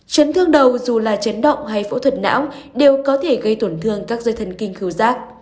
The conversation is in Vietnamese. chấn thương đầu dù là chấn động hay phẫu thuật não đều có thể gây tổn thương các dây thần kinh giác